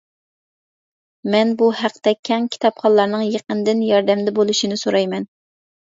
مەن بۇ ھەقتە كەڭ كىتابخانلارنىڭ يېقىندىن ياردەمدە بولۇشىنى سورايمەن.